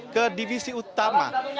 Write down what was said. ke divisi utama